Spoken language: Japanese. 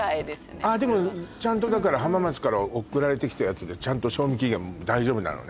これはあっでもちゃんとだから浜松から送られてきたやつでちゃんと賞味期限大丈夫なのね？